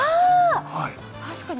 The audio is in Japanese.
確かに。